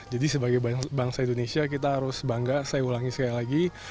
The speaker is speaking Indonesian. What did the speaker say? jadi sebagai bangsa indonesia kita harus bangga saya ulangi sekali lagi